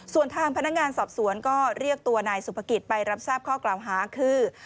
ส่วนทางพนักงานสอบสวนก็เรียกตัวนายสุภกิจไปรับทราบข้อกล่าวหาคือ